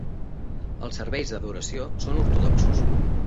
Els serveis d'adoració són ortodoxos.